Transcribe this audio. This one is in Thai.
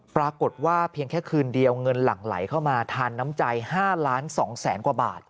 ปรากฏว่าเพียงแค่คืนเดียวเงินหลั่งไหลเข้ามาทานน้ำใจ๕ล้าน๒แสนกว่าบาท